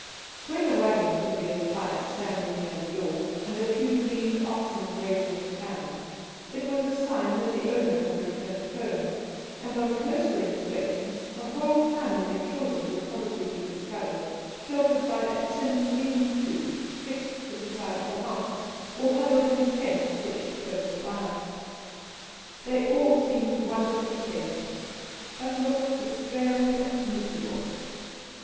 When a waggon could be espied standing near the door, and a few lean oxen grazing at hand, it was a sign that the owner had returned home, and, on closer inspection, a whole family of children would probably be discovered sheltered by a tin lean to fixed to the side of the house, or huddled in a tent pitched close by. They all seemed wonderfully patient, but looked despairing and miserable.